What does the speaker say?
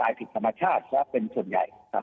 ตายผิดสมชาติและเป็นส่วนใหญ่